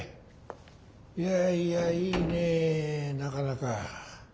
いやいやいいねなかなか。